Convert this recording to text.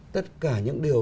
tất cả những điều